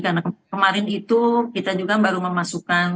karena kemarin itu kita juga baru memasukkan